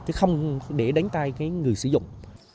chứ không để đánh tay người sử dụng